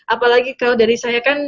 apalagi kalau dari saya kan